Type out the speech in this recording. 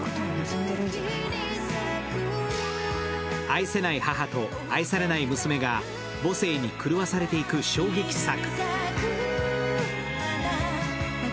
愛せない母と愛されない娘が母性に狂わされていく衝撃作。